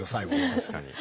確かに。